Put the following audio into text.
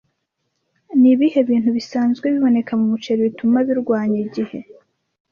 Nibihe bintu bisanzwe biboneka mumuceri bituma birwanya igihe